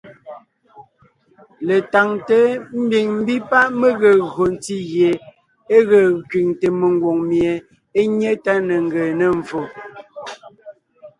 Letáŋte ḿbiŋ ḿbí páʼ mé gee gÿo ntí gie e ge kẅiŋte mengwòŋ mie é nyé tá ne ńgee mvfò.